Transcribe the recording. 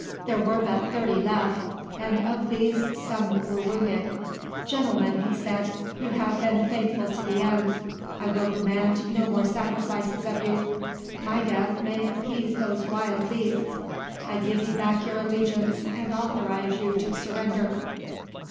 There were but thirty left, and of these some were wounded. "Gentlemen," he said, "you have been faithful to the end; I will demand no more sacrifices of you. My death may appease those wild beasts. I give you back your allegiance, and authorise you to surrender."